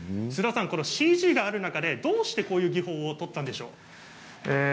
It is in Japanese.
このＣＧがある中でどうしてこういう技法をとったんでしょう。